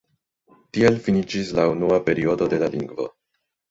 Tiel finiĝis la unua periodo de la lingvo.